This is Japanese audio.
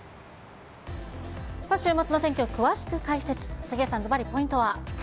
週末の天気を詳しく解説、杉江さん、ずばりポイントは。